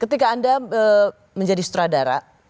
ketika anda menjadi sutradara